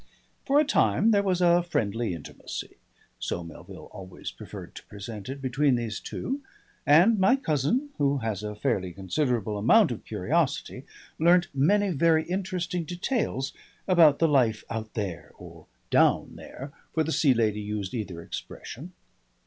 For a time there was a friendly intimacy so Melville always preferred to present it between these two, and my cousin, who has a fairly considerable amount of curiosity, learnt many very interesting details about the life "out there" or "down there" for the Sea Lady used either expression.